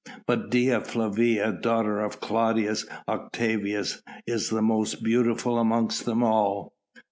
"But Dea Flavia, daughter of Claudius Octavius, is the most beautiful amongst them all!"